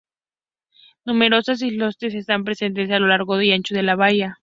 Numerosos islotes están presentes a lo largo y ancho de la Bahía.